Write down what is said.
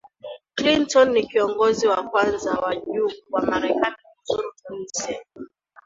clinton ni kiongonzi wa kwanza wa juu wa marekani kuzuru tunisia